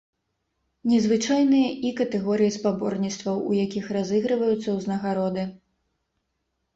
Незвычайныя і катэгорыі спаборніцтваў, у якіх разыгрываюцца ўзнагароды.